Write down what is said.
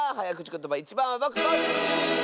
ことばいちばんはぼくコッシー！